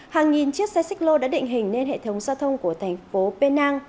hàng nghìn chiếc xe xích lô đã định hình nên hệ thống giao thông của thành phố penang